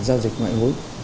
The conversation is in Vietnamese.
giao dịch ngoại hối